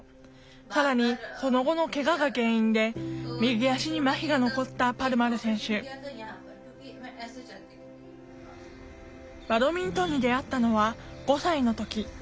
更にその後のけがが原因で右足にまひが残ったパルマル選手バドミントンに出会ったのは５歳の時。